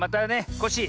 コッシー